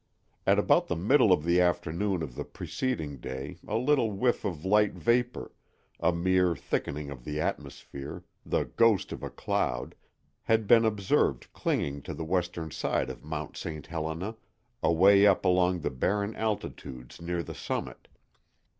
At about the middle of the afternoon of the preceding day a little whiff of light vapor—a mere thickening of the atmosphere, the ghost of a cloud—had been observed clinging to the western side of Mount St. Helena, away up along the barren altitudes near the summit.